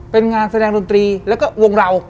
เป็นงานแสดงดนตรีแล้วก็วงเรา